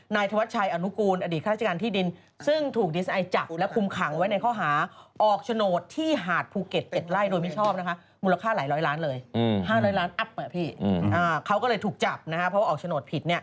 เขาก็เลยถูกจับนะครับเพราะว่าออกโฉนดผิด